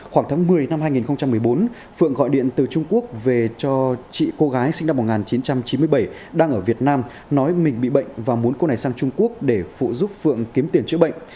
khoảng tháng một mươi năm hai nghìn một mươi bốn phượng gọi điện từ trung quốc về cho chị cô gái sinh năm một nghìn chín trăm chín mươi bảy đang ở việt nam nói mình bị bệnh và muốn cô này sang trung quốc để phụ giúp phượng kiếm tiền chữa bệnh